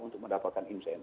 untuk mendapatkan keuntungan